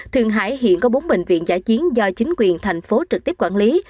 thượng hải hiện có bốn bệnh viện giải chiến do chính quyền thành phố trực tiếp quản lý